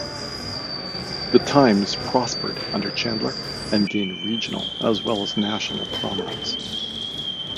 The "Times" prospered under Chandler, and gained regional, as well as national, prominence.